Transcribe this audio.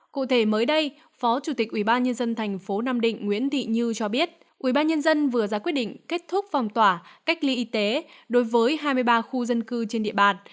cụ thể mới đây phó chủ tịch ubnd tp nam định nguyễn thị như cho biết ubnd vừa ra quyết định kết thúc phòng tỏa cách ly y tế đối với hai mươi ba khu dân cư trên địa bàn